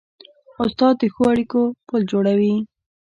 استاد د ښو اړیکو پل جوړوي.